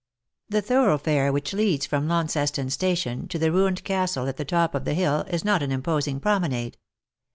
The thoroughfare which leads from Launceston Station to the ruined castle at the top of the hill is not an imposing promenade.